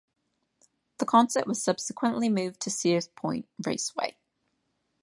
The concert was subsequently moved to Sears Point Raceway.